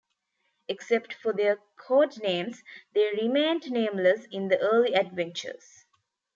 Except for their codenames, they remained nameless in the early adventures.